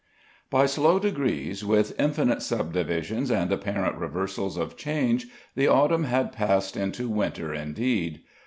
By slow degrees, with infinite subdivisions and apparent reversals of change, the autumn had passed into winter indeed.